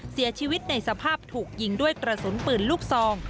เสียชีวิตในสภาพถูกยิงด้วยกระสุนปืนลูกซอง